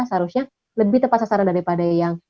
seharusnya lebih tepat sasaran daripada yang